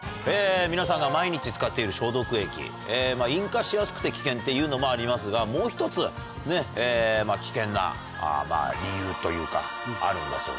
皆さんが毎日使っている消毒液引火しやすくて危険っていうのもありますがもう１つ危険な理由というかあるんだそうです。